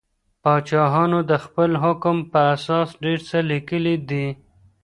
پاچاهانو د خپل حکم په اساس ډیر څه لیکلي دي.